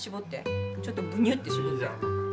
ちょっとぶにゅって絞って。